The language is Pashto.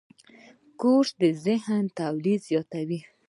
کورس د ذهن تولید زیاتوي.